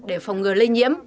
để phòng ngừa lây nhiễm